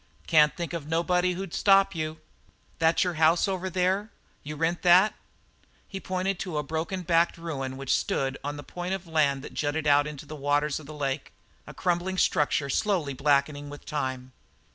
"Can't think of nobody who'd stop you." "That your house over there? You rent that?" He pointed to a broken backed ruin which stood on the point of land that jutted out onto the waters of the lake, a crumbling structure slowly blackening with time.